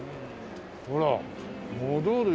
ほら戻るよ。